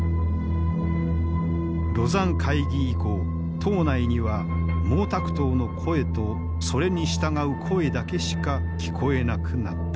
廬山会議以降党内には毛沢東の声とそれに従う声だけしか聞こえなくなった。